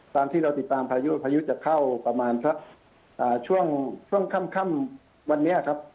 ตามที่เราติดตามพายุจะเข้าประมาณช่วงข้ำวันเนี่ยครับ